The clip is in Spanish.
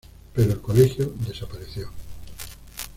Pero el colegio desapareció.